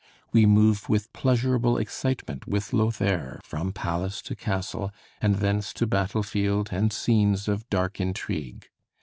We move with pleasurable excitement with Lothair from palace to castle, and thence to battle field and scenes of dark intrigue.